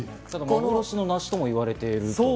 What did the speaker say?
幻の梨とも言われている。